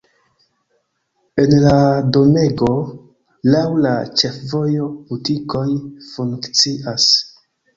En la domego laŭ la ĉefvojo butikoj funkcias.